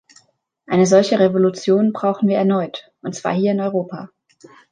Eine solche Revolution brauchen wir erneut, und zwar hier in Europa.